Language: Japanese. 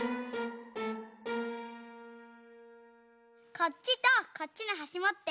こっちとこっちのはしもって。